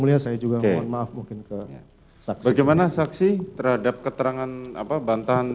mulia saya juga mohon maaf mungkin ke saksi bagaimana saksi terhadap keterangan apa bantahan